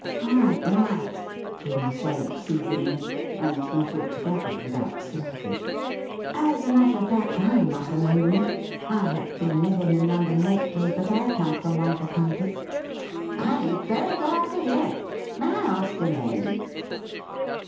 ' Quite right,' Jem said soothingly, and not altogether without sympathy. ' As a matter of fact, I am not a Londoner. I have been living in London lately, but I come from one of the counties.' ' I am very glad to hear it. May I ask your name